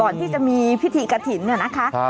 ก่อนที่จะมีพิธีกระถิ่นเนี่ยนะคะ